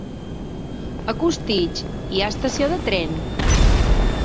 A Costitx hi ha estació de tren?